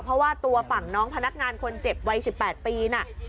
เพราะว่าตัวฝั่งน้องพนักงานคนเจ็บวัย๑๘ปีน่ะ